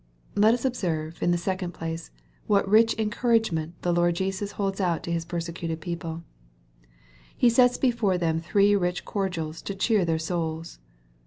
Let us observe, in the second place, what rich encour agement the Lord Jesus holds out to His persecuted people, He sets before them three rich cordials to cheer their souls.